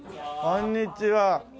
こんにちは。